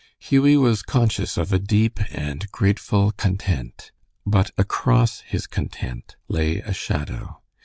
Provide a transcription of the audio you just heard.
Hughie was conscious of a deep and grateful content, but across his content lay a shadow.